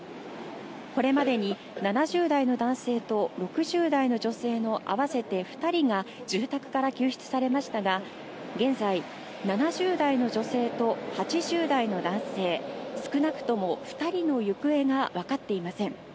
これまでに７０代の男性と６０代の女性の合わせて２人が住宅から救出されましたが、現在、７０代の女性と８０代の男性、少なくとも２人の行方がわかっていません。